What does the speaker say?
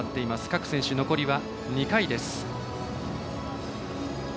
各選手、残りは２回です。